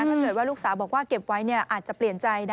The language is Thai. ถ้าเกิดว่าลูกสาวบอกว่าเก็บไว้อาจจะเปลี่ยนใจนะ